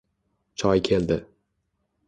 Choy keldi